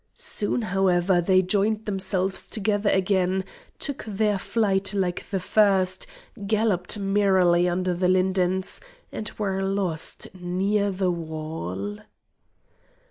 Soon, however, they joined themselves together again, took their flight like the first, galloped merrily under the lindens, and were lost near the wall.